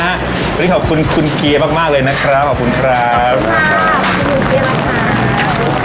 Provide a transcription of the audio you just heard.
วันนี้ขอบคุณคุณเกียร์มากมากเลยนะครับขอบคุณครับขอบคุณมาก